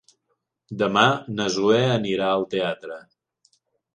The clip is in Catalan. Demà na Zoè anirà al teatre.